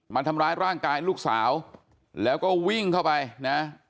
มาทำร้ายร่างกายลูกสาวแล้วก็วิ่งเข้าไปนะ